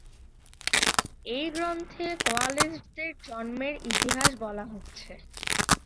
এই গ্রন্থে কোয়ালিস্টদের জন্মের ইতিহাস বলা হচ্ছে।